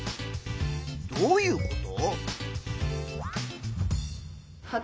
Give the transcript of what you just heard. どういうこと？